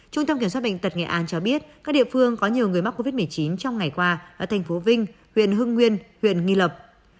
trung tâm kiểm soát bệnh tật nghệ an cho biết các địa phương có nhiều người mắc covid một mươi chín trong ngày qua ở thành phố vinh huyện hưng nguyên huyện nghi lập